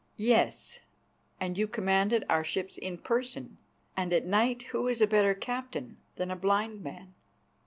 Yes, and you commanded our ships in person; and at night who is a better captain than a blind man?